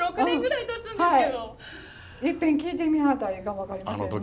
いっぺん聞いてみはったらいいかも分かりませんね。